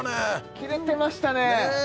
キレてましたね